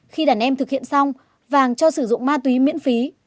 khi đàn em thực hiện xong vàng cho sử dụng ma túy miễn phí